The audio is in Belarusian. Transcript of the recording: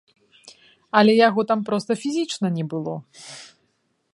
Але яго там проста фізічна не было!